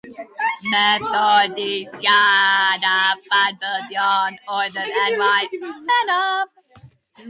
Methodistiaid a Phabyddion oedd yr enwadau pennaf.